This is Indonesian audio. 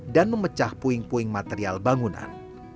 dan memecah puing puing material bangunan